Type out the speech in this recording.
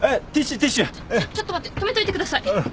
ちょっちょっと待って止めといてください。